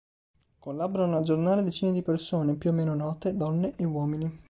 Collaborano al giornale decine di persone, più o meno note, donne e uomini.